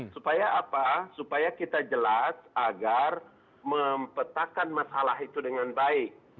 supaya apa supaya kita jelas agar mempetakan masalah itu dengan baik